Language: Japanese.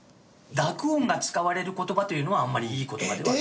濁音が使われる言葉というのはあんまりいい言葉ではない。